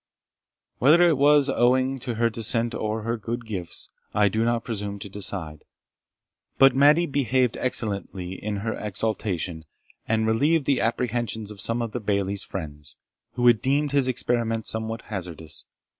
Whether it was owing to her descent or her good gifts, I do not presume to decide; but Mattie behaved excellently in her exaltation, and relieved the apprehensions of some of the Bailie's friends, who had deemed his experiment somewhat hazardous.